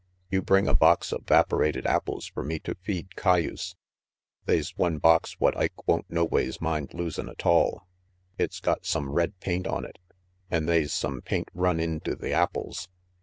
You bring a box of 'vaporated apples fer me to feed cayuse. They's one box what Ike won't noways mind losin' atoll. It's got some red paint on it, an' they's some paint run into the apples.